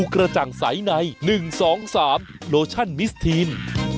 กับเงียบใกล้สุดแน่ใจมั้ยครับ